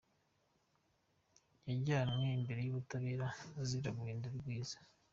Yajyanwe imbere y’ubutabera azira kwihindura mwiza